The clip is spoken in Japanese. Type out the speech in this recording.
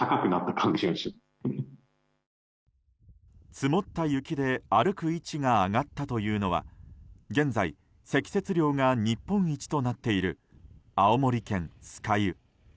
積もった雪で歩く位置が上がったというのは現在、積雪量が日本一となっている、青森県酸ヶ湯。